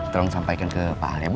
tolong sampaikan ke pahal ya bu